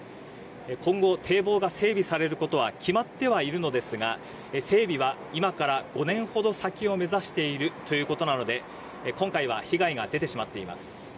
今後、堤防が整備されることは決まってはいるのですが整備は今から５年ほど先を目指しているということなので今回は被害が出てしまっています。